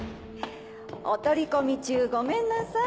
お取り込み中ごめんなさい。